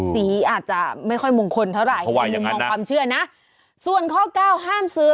สีอาจจะไม่ค่อยมงคลเท่าไรความเชื่อนะส่วนข้อเก้าห้ามซื้อ